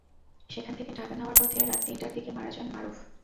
সেখান থেকে ঢাকা নেওয়ার পথে রাত তিনটার দিকে মারা যান মারুফ।